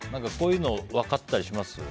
こういうの分かったりします？